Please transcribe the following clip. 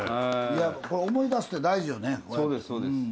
これ思い出すって大事よね。